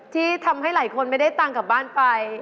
ที่ทำให้หลายคนไม่ได้ตังค์กลับบ้านไป